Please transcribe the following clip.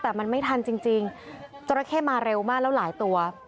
แต่มันไม่ทันจริงจริงจราเข้มาเร็วมากแล้วหลายตัว